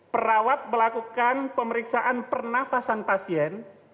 perawat melakukan pemeriksaan pernafasan pasien